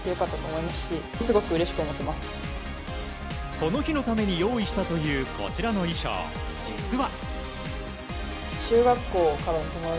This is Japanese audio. この日のために用意したというこちらの衣装実は。